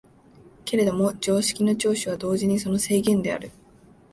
けれども常識の長所は同時にその制限である。